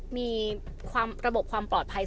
มีระบบความปลอดภัย